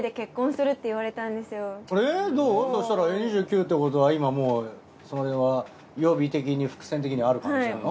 えっ？そしたら２９ってことは今もうそれは予備的に伏線的にある感じなの？